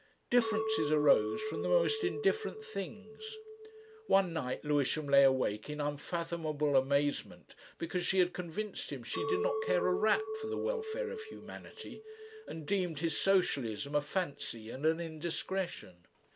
Differences arose from the most indifferent things; one night Lewisham lay awake in unfathomable amazement because she had convinced him she did not care a rap for the Welfare of Humanity, and deemed his Socialism a fancy and an indiscretion.